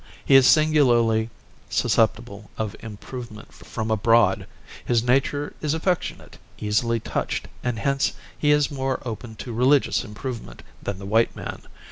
He is singularly susceptible of improvement from abroad.... His nature is affectionate, easily touched, and hence he is more open to religious improvement than the white man....